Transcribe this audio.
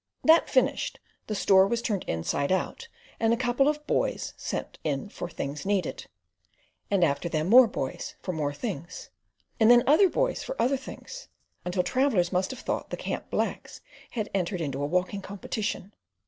That finished, the store was turned inside out and a couple of "boys" sent in for "things needed," and after them more "boys" for more things; and then other "boys" for other things, until travellers must have thought the camp blacks had entered into a walking competition.